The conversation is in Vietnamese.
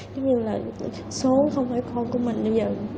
nhưng mà số không phải con của mình bây giờ